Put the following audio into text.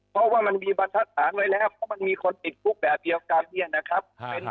เพราะว่ามันมีบัตรฐานไว้แล้วเพราะมันมีคนติดปุ๊บแบบเดียวกันนะครับ